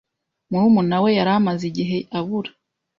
Murumuna we yari amaze igihe abura.